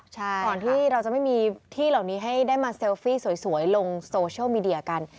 ก่อนที่เราจะไม่มีที่เหล่านี้ให้ได้มาเซลฟี่สวยลงโซเชียลมีเดียกัน